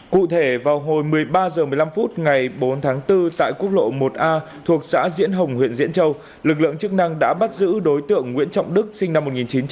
cụ thể vào hồi một mươi ba h một mươi năm phút ngày bốn tháng bốn tại quốc lộ một a thuộc xã diễn hồng huyện diễn châu lực lượng chức năng đã bắt giữ đối tượng nguyễn trọng đức sinh năm một nghìn chín trăm tám mươi